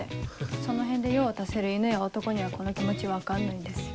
その辺で用を足せる犬や男にはこの気持ち分かんないんですよ。